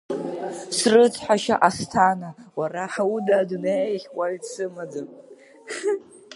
Срыцҳашьа Асҭана, уара уда адунеиахь уаҩ дсымаӡам.